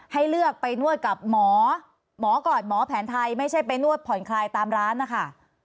ให้เลือกไปนวดกับหมอหมอก่อนหมอแผนไทยไม่ใช่ไปนวดผ่อนคลายตามร้านนะคะ